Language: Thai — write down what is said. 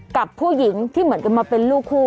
กับผู้หญิงที่เหมือนกันมาเป็นลูกคู่